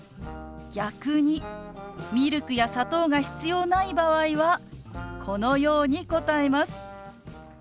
逆にミルクや砂糖が必要ない場合はこのように答えます。